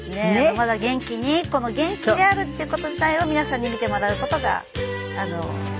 まだ元気にこの元気であるっていう事自体を皆さんに見てもらう事が。